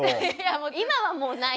今はもうないです。